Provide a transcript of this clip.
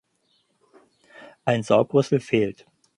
Ein Saugrüssel fehlt.